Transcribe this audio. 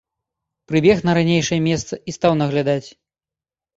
Прыбег на ранейшае месца і стаў наглядаць.